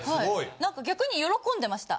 なんか逆に喜んでました。